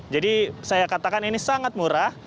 jadi saya katakan ini sangat murah